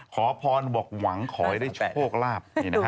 ขอพรบอกหวังขอให้ได้โชคลาภ